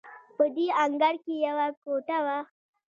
په دې انګړ کې یوه کوټه وه.